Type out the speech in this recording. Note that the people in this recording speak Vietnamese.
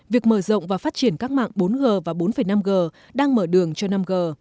việc mở rộng và phát triển các mạng bốn g và bốn năm g đang mở đường cho năm g